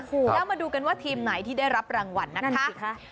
แล้วมาดูกันว่าทีมไหนที่ได้รับรางวัลนะคะ